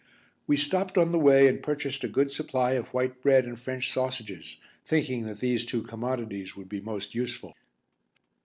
We stopped on the way and purchased a good supply of white bread and French sausages, thinking that these two commodities would be most useful.